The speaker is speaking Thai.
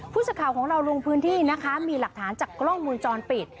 ผู้สื่อข่าวของเราลงพื้นที่นะคะมีหลักฐานจากกล้องมูลจรปิด